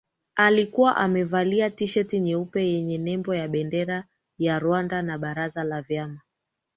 alikuwa amevalia tisheti nyeupe yenye nembo ya bendera ya Rwanda na Baraza la Vyama